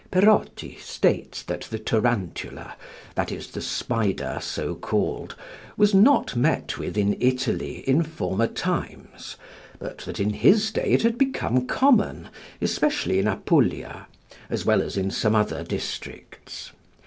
Perotti states that the tarantula that is, the spider so called was not met with in Italy in former times, but that in his day it had become common, especially in Apulia, as well as in some other districts.